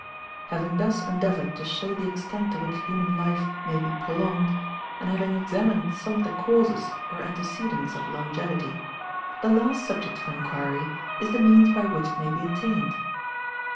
Having thus endeavoured to show the extent to which human life may be prolonged, and having examined some of the causes or antecedents of longevity, the last subject for inquiry is the means by which it may be attained.